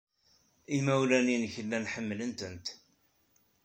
Imawlan-nnek llan ḥemmlen-tent.